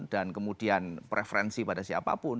dan kemudian preferensi pada siapapun